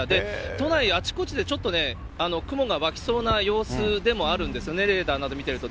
都内、あちこちでちょっとね、雲が湧きそうな様子でもあるんですよね、レーダーなど見てると。